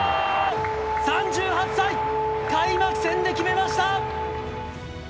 ３８歳、開幕戦で決めました！